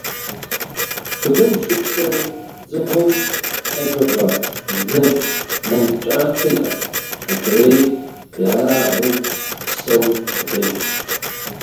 Бгым щыпсэу дзыгъуэм хьэжыгъэ, лы, мэл кӀапэ иӀэт, адрейр - ерагъыу псэу къудейт.